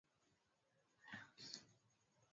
Pishi la Kuchemsha viazi lishe